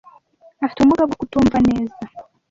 Afite ubumuga bwo kutumva neza.